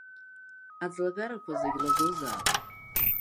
Аӡлагарақәа зегь лагозаап.